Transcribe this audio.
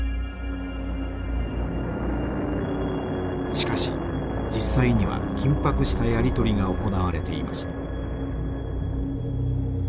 しかし実際には緊迫したやり取りが行われていました。